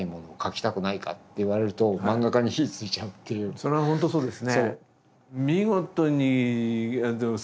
それは本当そうですね。